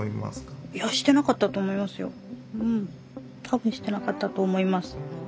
多分してなかったと思います。